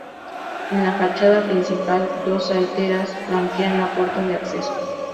En la fachada principal dos saeteras flanquean la puerta de acceso.